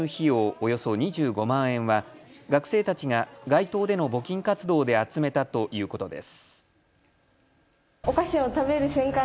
およそ２５万円は学生たちが街頭での募金活動で集めたということです。